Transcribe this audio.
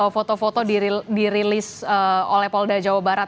foto foto dirilis oleh polda jawa barat